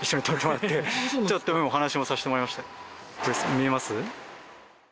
見えます？